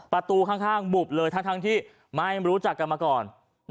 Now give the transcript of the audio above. ประตูข้างบุบเลยทั้งที่ไม่รู้จักกันมาก่อน